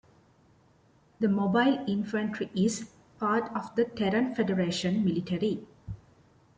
The Mobile Infantry is part of the Terran Federation military.